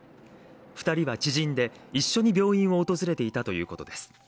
２人は知人で、一緒に病院を訪れていたということです。